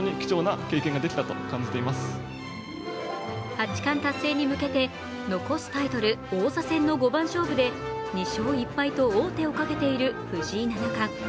八冠達成に向けて残すタイトル王座戦の五番勝負で２勝１敗と王手をかけている藤井七冠。